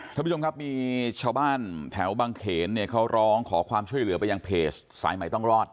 ท่านผู้ชมครับมีชาวบ้านแถวบางเขนเนี่ยเขาร้องขอความช่วยเหลือไปยังเพจสายใหม่ต้องรอด